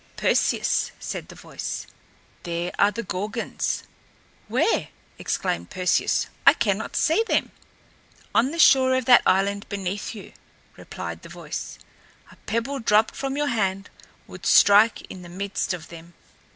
"Perseus," said the voice, "there are the Gorgons." "Where?" exclaimed Perseus. "I cannot see them." "On the shore of that island beneath you," replied the voice. "A pebble dropped from your hand would strike in the midst of them."